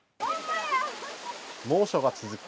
猛暑が続く